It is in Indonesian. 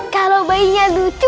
kalau bayinya lucu